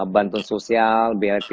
bantuan sosial bit